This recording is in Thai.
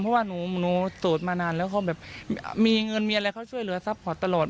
เพราะว่าหนูโสดมานานแล้วเขาแบบมีเงินมีอะไรเขาช่วยเหลือซัพพอร์ตตลอด